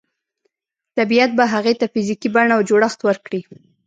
طبیعت به هغې ته فزیکي بڼه او جوړښت ورکړي